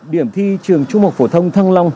điểm thi trường trung học phổ thông thăng long hà nội